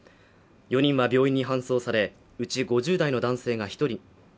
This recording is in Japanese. ４人は病院に搬送されうち５０代の男性